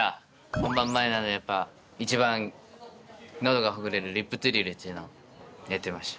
本番前なのでやっぱ一番喉がほぐれるリップトゥリルっていうのをやってました。